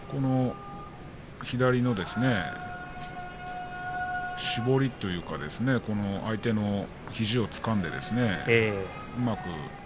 左の絞りといいますか相手の肘をつかんでうまく。